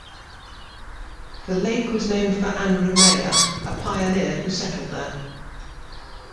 The lake was named for Andrew Meyer, a pioneer who settled there.